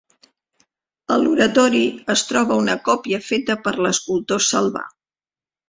A l'oratori es troba una còpia feta per l'escultor Salvà.